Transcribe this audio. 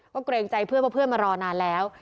ก็เกรงใจเพื่อนว่าเพื่อนมารอนานแล้ว